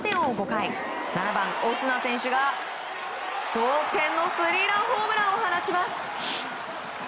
５回７番、オスナ選手が同点のスリーランホームランを放ちます。